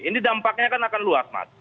ini dampaknya akan luas mas